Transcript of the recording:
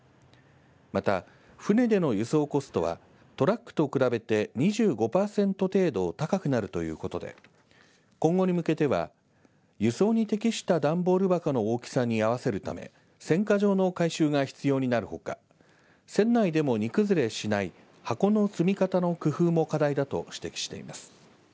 また、船での輸送コストはトラックと比べて２５パーセント程度、高くなるということで今後に向けては輸送に適した段ボール箱の大きさに合わせるため選果場の改修が必要になるほか船内でも荷崩れしない箱の積み方の工夫も課題だと指摘しています。